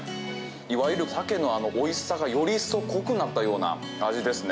いわゆるサケのおいしさがより一層濃くなったような味ですね。